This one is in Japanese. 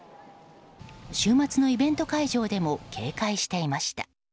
週末のイベント会場でも警戒していました。